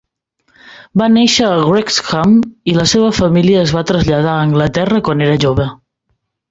Va néixer a Wrexham i la seva família es va traslladar a Anglaterra quan era jove.